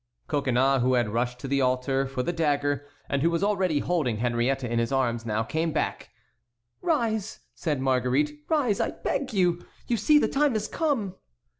Coconnas, who had rushed to the altar for the dagger, and who was already holding Henriette in his arms, now came back. "Rise," said Marguerite, "rise, I beg you! You see the time has come."